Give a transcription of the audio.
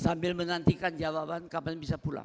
sambil menantikan jawaban kapan bisa pulang